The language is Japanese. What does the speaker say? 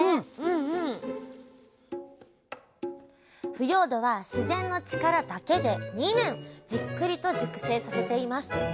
腐葉土は自然の力だけで２年じっくりと熟成させています。